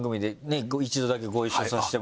一度だけご一緒させて。